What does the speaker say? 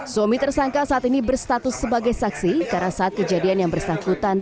suami tersangka saat ini berstatus sebagai saksi karena saat kejadian yang bersangkutan